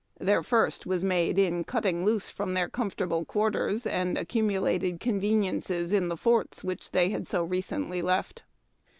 Their first was made in cutting loose from their comfortable quar ters and accumulated conveniences in the forts, which they had so recently left.